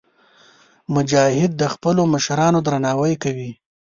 مجاهد د خپلو مشرانو درناوی کوي.